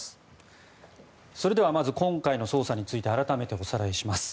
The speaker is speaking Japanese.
それではまず今回の捜査について改めておさらいします。